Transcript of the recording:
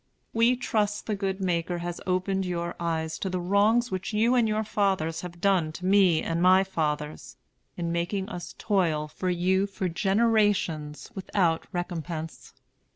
We trust the good Maker has opened your eyes to the wrongs which you and your fathers have done to me and my fathers, in making us toil for you for generations without recompense.